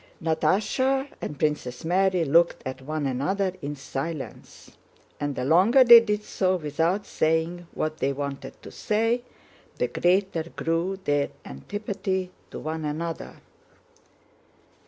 Natásha and Princess Mary looked at one another in silence, and the longer they did so without saying what they wanted to say, the greater grew their antipathy to one another.